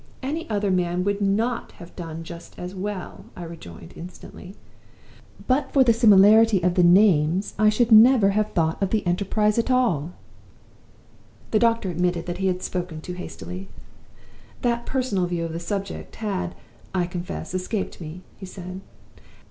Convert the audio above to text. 'Any other man would not have done just as well,' I rejoined, instantly. 'But for the similarity of the names, I should never have thought of the enterprise at all.' "The doctor admitted that he had spoken too hastily. 'That personal view of the subject had, I confess, escaped me,' he said.